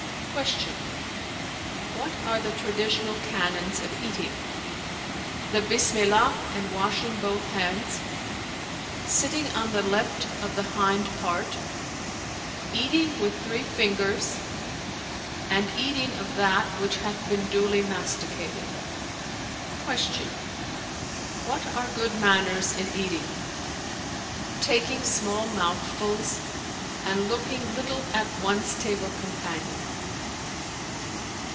Q "What are the traditional canons of eating?" "The Bismillah[FN#334] and washing both hands; sitting on the left of the hind part; eating with three fingers, and eating of that which hath been duly masticated.[FN#335]" Q "What are good manners in eating?" "Taking small mouthfuls and looking little at one's table companion."